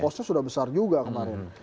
posnya sudah besar juga kemarin